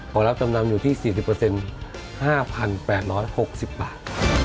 รับจำนำอยู่ที่๔๐๕๘๖๐บาท